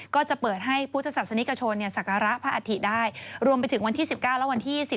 ก็จะเปิดให้พุทธศาสนิกชนศักระพระอัฐิได้รวมไปถึงวันที่๑๙และวันที่๑๗